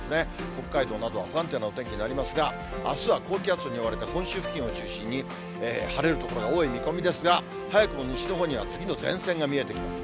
北海道などは不安定なお天気になりますが、あすは高気圧に覆われて本州付近を中心に晴れる所が多い見込みですが、早くも西のほうには次の前線が見えてきます。